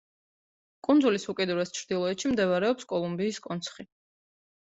კუნძულის უკიდურეს ჩრდილოეთში მდებარეობს კოლუმბიის კონცხი.